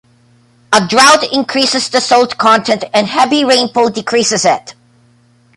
A drought increases the salt content and heavy rainfall decreases it.